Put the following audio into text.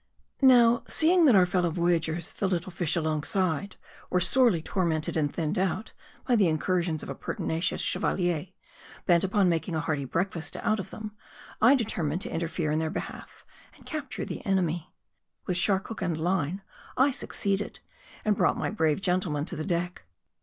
Now, seeing that our fellow voyagers, the little fish along side, were sorely tormented and thinned out by the incursions of a pertinacious Chevalier, bent upon making a hearty break fast out of them, I determined to interfere in their behalf, and capture the enemy. With shark hook and line I succeeded, and brought my brave gentleman to the deck.